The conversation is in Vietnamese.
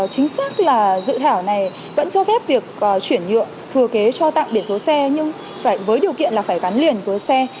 chính xác là dự thảo này vẫn cho phép việc chuyển nhượng thừa kế cho tặng biển số xe nhưng với điều kiện là phải gắn liền với xe